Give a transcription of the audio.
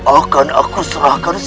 akan aku serahkan